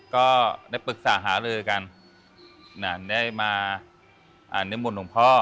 ก็ได้ปรึกษาหาลือกันได้มาอ่านนิมนต์หลวงพ่อ